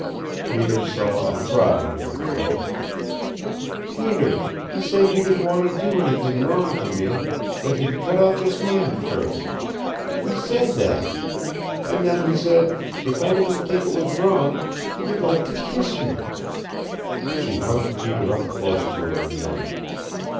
Peter saw a throbbing in her throat. "Peter he said he didn't want to do anything wrong to me, that he'd cut off his hand first. He said that! And then he said if I didn't think it was wrong he'd like to kiss me " She hugged Peter up close to her again.